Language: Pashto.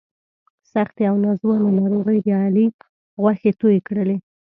سختې او ناځوانه ناروغۍ د علي غوښې تویې کړلې.